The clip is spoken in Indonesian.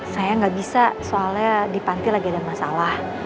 saya nggak bisa soalnya di panti lagi ada masalah